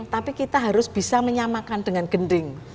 tapi kita harus bisa menyamakan dengan gending